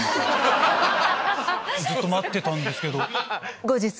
ずっと待ってたんですけど。